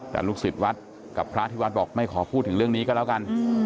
แต่ลูกศิษย์วัดกับพระที่วัดบอกไม่ขอพูดถึงเรื่องนี้ก็แล้วกัน